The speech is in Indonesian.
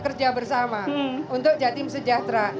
kerja bersama untuk jatim sejahtera